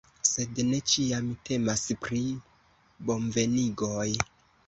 Sed ne ĉiam temas pri bonvenigoj.